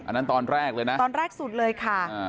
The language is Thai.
อันนั้นตอนแรกเลยนะตอนแรกสุดเลยค่ะ